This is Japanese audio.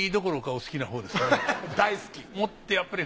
大好き？